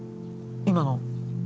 今の。